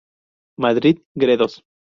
Madrid: Gredos.